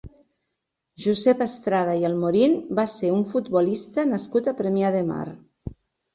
Josep Estrada i Almorín va ser un futbolista nascut a Premià de Mar.